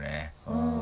うん。